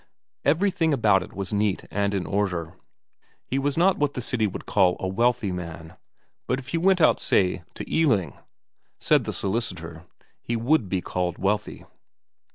Everything about it was neat and in order. He was not what the City would call a wealthy man, but if you went out say to Baling, said the solicitor, he would be called wealthy.